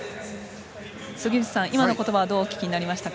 杉内さん、今の言葉はどうお聞きになりましたか？